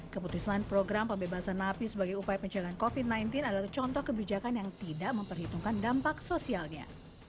keputusan program pembebasan napi sebagai upaya penjagaan covid sembilan belas adalah contoh kebijakan yang tidak memperhitungkan dampak sosialnya